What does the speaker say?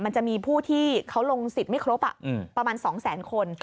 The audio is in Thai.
มันจะมีผู้ที่เขาลงสิทธิ์ไม่ครบประมาณ๒แสนคน